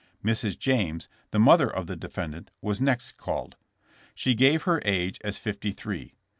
Mrs. James, the mother of the defendant, was next called. She gave her age as fifty three.